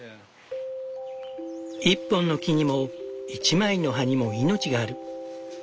一本の木にも一枚の葉にも命がある。